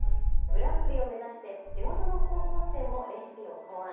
グランプリを目指して地元の高校生もレシピを考案。